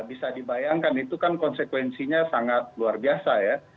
bisa dibayangkan itu kan konsekuensinya sangat luar biasa ya